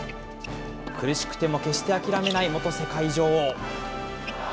苦しくても決して諦めない元世界女王。